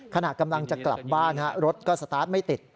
ขณะกำลังจะกลับบ้านรถก็สตาร์ทไม่ติด